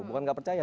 bukan tidak percaya